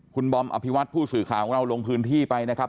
คุณบอมอภิวัตผู้สื่อข่าวของเราลงพื้นที่ไปนะครับ